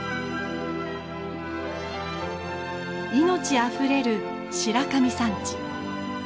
命あふれる白神山地。